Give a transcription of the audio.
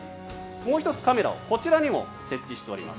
もう１つ、カメラをこちらにも設置しています。